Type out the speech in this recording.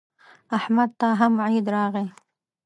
احمد ته هم عید راغی.